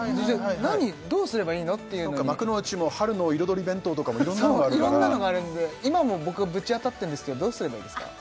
何どうすればいいの？っていうのにそうか幕の内も春の彩り弁当とかもういろんなのがあるからそういろんなのがあるんで今も僕ぶち当たってるんですけどどうすればいいですか？